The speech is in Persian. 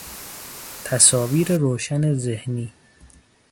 تصاویر روشن ذهنی